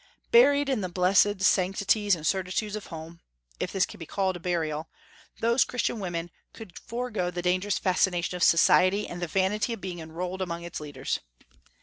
Buried in the blessed sanctities and certitudes of home, if this can be called a burial, those Christian women could forego the dangerous fascination of society and the vanity of being enrolled among its leaders.